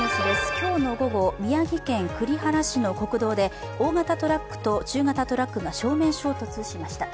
今日の午後、宮城県栗原市の国道で大型トラックと中型トラックが正面衝突しました。